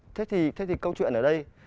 thế thì câu chuyện ở đây